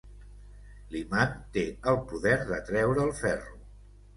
L'imant té el poder d'atreure el ferro.